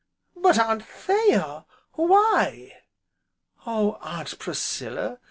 "But Anthea why?" "Oh Aunt Priscilla!